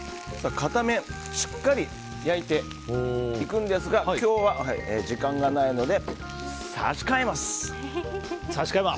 片面をしっかり焼いていくんですが今日は時間がないので差し替えます。